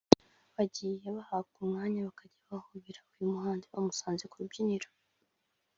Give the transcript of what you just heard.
bagiye bahabwa umwanya bakajya guhobera uyu muhanzi bamusanze ku rubyiniro